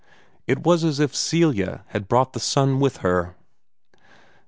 It was as if Celia had brought the sun with her.